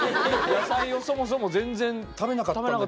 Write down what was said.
野菜をそもそも全然食べなかったのに？